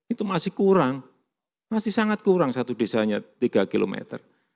itu masih kurang masih sangat kurang satu desanya tiga kilometer